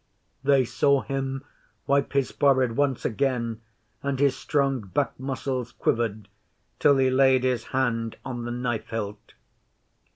They saw him wipe his forehead once again, and his strong back muscles quivered till he laid his hand on the knife hilt.